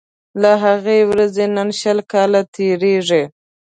له هغې ورځي نن شل کاله تیریږي